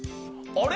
あれ？